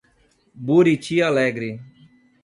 Buriti Alegre